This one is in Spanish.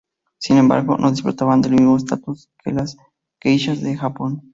Sin embargo, no disfrutaban del mismos estatus que las geishas de Japón.